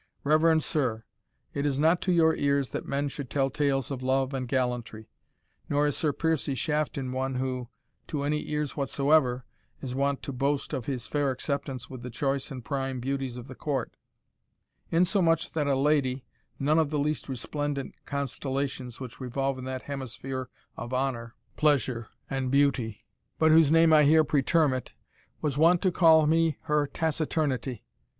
Reverend sir, it is not to your ears that men should tell tales of love and gallantry, nor is Sir Piercie Shafton one who, to any ears whatsoever, is wont to boast of his fair acceptance with the choice and prime beauties of the court; insomuch that a lady, none of the least resplendent constellations which revolve in that hemisphere of honour, pleasure, and beauty, but whose name I here pretermit, was wont to call me her Taciturnity.